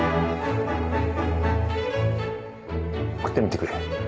食ってみてくれ。